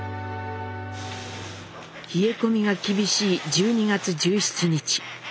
冷え込みが厳しい１２月１７日